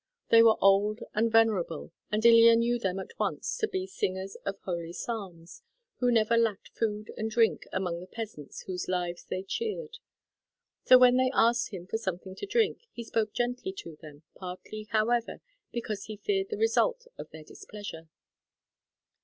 They were old and venerable, and Ilya knew them at once to be singers of holy psalms, who never lacked food and drink among the peasants whose lives they cheered. So, when they asked him for something to drink, he spoke gently to them, partly, however, because he feared the result of their displeasure.